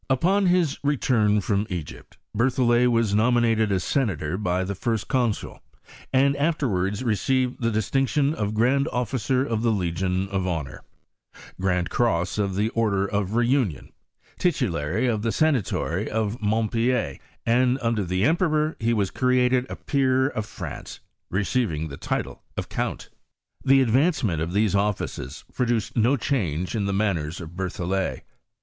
Upon his return from Egypt, Berthollet was no minated a senator by the first consul ; and after wards received the distinction of grand officer of the Legion of Honour; grand cross of the Order of Reunion; titulary of the Senatory of Montpellier; and, under the emperor, he was created a peer of France, receiving the title of Coimt.Theadvancement to these offices produced no change in the manners of Berthollet.